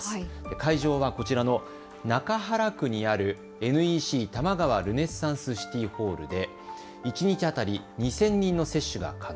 会場はこちらの中原区にあるＮＥＣ玉川ルネッサンスシティホールで一日当たり、２０００人の接種が可能。